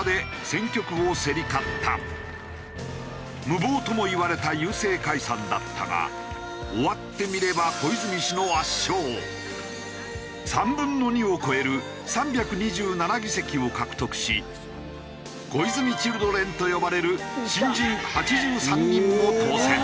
無謀ともいわれた郵政解散だったが終わってみれば３分の２を超える３２７議席を獲得し小泉チルドレンと呼ばれる新人８３人も当選。